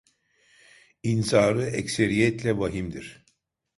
İnzarı ekseriyetle vahimdir.